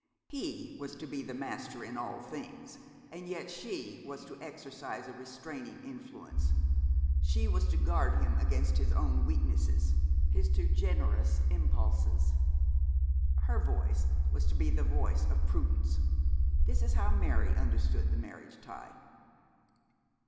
He was to be the master in all things! and yet she was to exercise a restraining influence, she was to guard him against his own weaknesses, his too generous impulses. Her voice was to be the voice of prudence. This is how Mary understood the marriage tie.